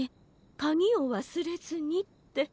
かぎをわすれずに」って。